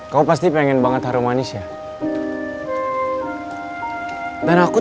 kalau gituhi jadinom